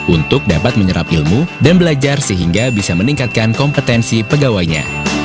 untuk dapat menyerap ilmu dan belajar sehingga bisa meningkatkan kompetensi pegawainya